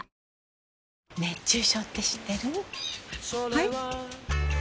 はい？